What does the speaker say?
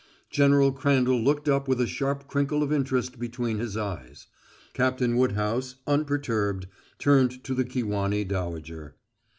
General Crandall looked up with a sharp crinkle of interest between his eyes. Captain Woodhouse, unperturbed, turned to the Kewanee dowager.